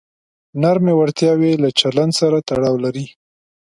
نرمې وړتیاوې له چلند سره تړاو لري.